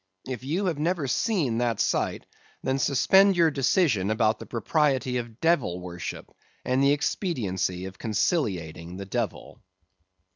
If you have never seen that sight, then suspend your decision about the propriety of devil worship, and the expediency of conciliating the devil.